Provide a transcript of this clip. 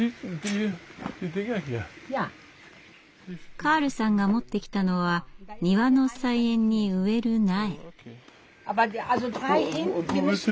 カールさんが持ってきたのは庭の菜園に植える苗。